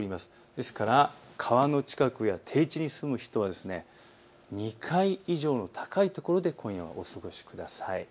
ですから川の近くや低地に住む人は２階以上の高いところで今夜はお過ごしください。